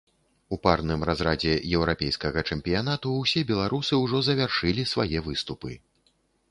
У парным разрадзе еўрапейскага чэмпіянату ўсе беларусы ўжо завяршылі свае выступы.